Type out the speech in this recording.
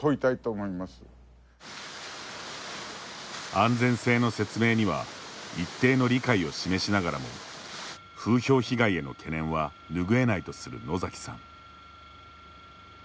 安全性の説明には一定の理解を示しながらも風評被害への懸念はぬぐえないとする野崎さん。